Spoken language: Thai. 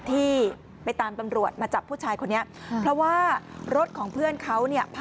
ที่ไปตามตำรวจมาจับผู้ชายคนนี้เพราะว่ารถของเพื่อนเขาเนี่ย